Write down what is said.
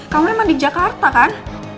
kamu emang di jakarta kan